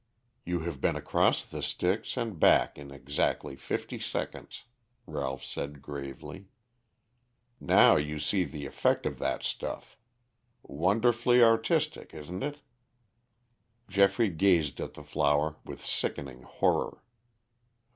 "You have been across the Styx and back in exactly fifty seconds," Ralph said gravely. "Now you see the effect of that stuff. Wonderfully artistic, isn't it?" Geoffrey gazed at the flower with sickening horror.